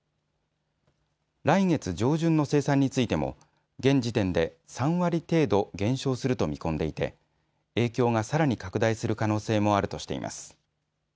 来月上旬の生産についても現時点で３割程度、減少すると見込んでいて影響がさらに拡大する可能性もあるとしています。